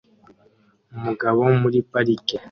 Umugabo muri parike